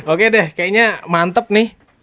oke deh kayaknya mantep nih